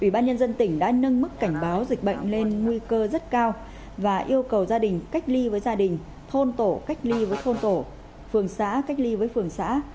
bệnh lên nguy cơ rất cao và yêu cầu gia đình cách ly với gia đình thôn tổ cách ly với thôn tổ phường xã cách ly với phường xã